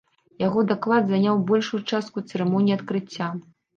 Яго даклад заняў большую частку цырымоніі адкрыцця.